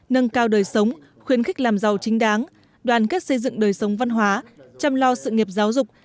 nâng cao đời sống khuyến khích làm giàu chính đáng đoàn kết xây dựng đời sống văn hóa chăm lo sự nghiệp giáo dục